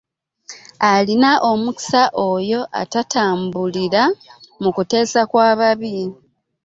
Alina omukisa oyo atatambulira mu kuteesa kwa babi.